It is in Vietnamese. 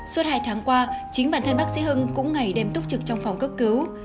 suốt hai tháng qua chính bản thân bác sĩ hưng cũng ngày đêm túc trực trong phòng cấp cứu